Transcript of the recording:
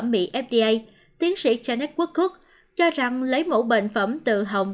phẩm mỹ fda tiến sĩ janet woodcock cho rằng lấy mẫu bệnh phẩm từ hồng